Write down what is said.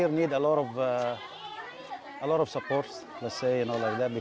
yang kedua anak anak di sini membutuhkan banyak bantuan